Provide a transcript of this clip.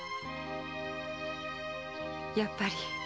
やっぱり。